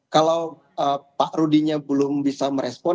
kalau pak rudinya belum bisa merespon